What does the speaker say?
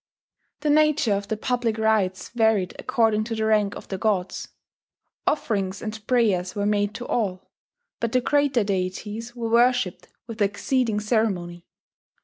The nature of the public rites varied according to the rank of the gods. Offerings and prayers were made to all; but the greater deities were worshipped with exceeding ceremony.